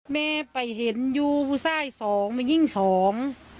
แม่ไปเห็นยูวูไซสองมีหรือยิ่งสอง